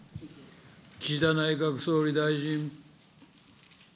岸田内閣総理大臣。